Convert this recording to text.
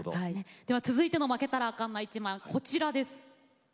続いての負けたらあかんな１枚はこちらです。